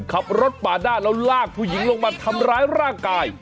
ขับรถปาดหน้าแล้วลากผู้หญิงลงมาทำร้ายร่างกาย